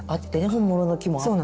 本物の木もあって。